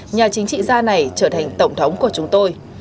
nhà chính trị gia này trở thành tổng thống của chúng tôi